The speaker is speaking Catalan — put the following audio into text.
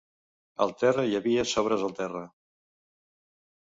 Al terra hi havia sobres al terra.